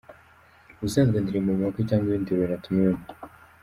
Ubusanzwe ndirimba mu makwe cyangwa ibindi birori natumiwemo.